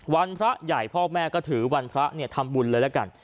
พระใหญ่พ่อแม่ก็ถือวันพระทำบุญเลยละกัน